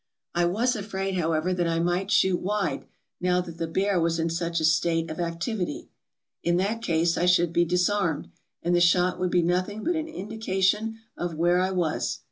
I was afraid, however, that I might shoot wide, now that the bear was in such a state of activity; in that case I should be disarmed, and the shot would be nothing but an indication of where I was.